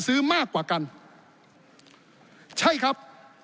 สุประชายครับ